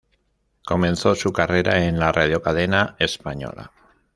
Comenzó su carrera en la Radiocadena Española.